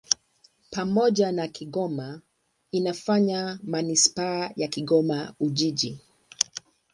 Pamoja na Kigoma inafanya manisipaa ya Kigoma-Ujiji.